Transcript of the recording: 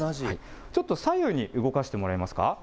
ちょっと左右に動かしてもらえますか。